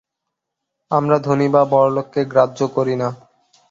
আমরা ধনী বা বড়লোককে গ্রাহ্য করি না।